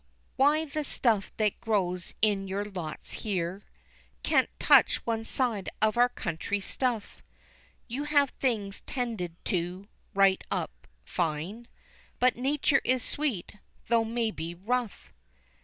Why the stuff that grows in your lots here Can't touch one side of our country stuff, You have things tended to, right up fine, But nature is sweet, though maybe rough.